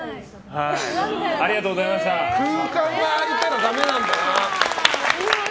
空間が空いたらだめなんだな。